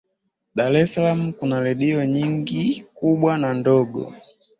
dar es salaam kuna redio nyingine kubwa na ndogo